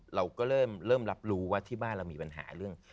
เราก็เริ่มรับรู้ว่าที่บ้านเรามีปัญหาเรื่อง